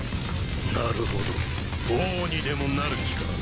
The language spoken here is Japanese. なるほど王にでもなる気か？